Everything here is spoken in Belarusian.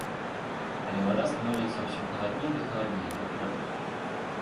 Але вада становіцца ўсё халадней ды халадней, як лёд.